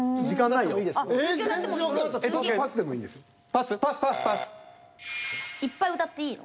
いっぱい歌っていいの？